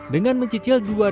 dengan mencari penyelesaian